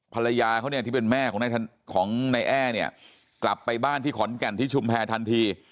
ภรรยาเขาเนี่ยที่เป็นแม่ของนายแอ้เนี่ยกลับไปบ้านที่ขอนแก่นที่ชุมแพรทันที